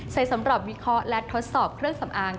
สำหรับวิเคราะห์และทดสอบเครื่องสำอาง